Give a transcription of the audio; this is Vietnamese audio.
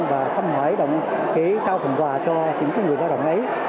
và không hỏi đồng kỹ cao phần quà cho những người lao động ấy